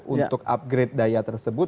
untuk upgrade daya tersebut